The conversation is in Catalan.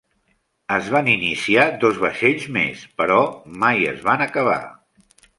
Es van iniciar dos vaixells més, però mai es van acabar.